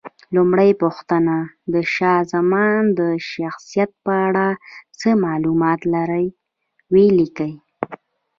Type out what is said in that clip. لومړۍ پوښتنه: د شاه زمان د شخصیت په اړه څه معلومات لرئ؟ ویې لیکئ.